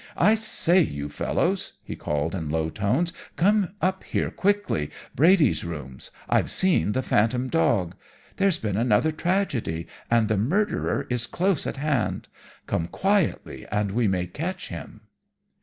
'I say, you fellows,' he called in low tones, 'come up here quickly Brady's rooms. I've seen the phantom dog. There's been another tragedy, and the murderer is close at hand. Come quietly and we may catch him!'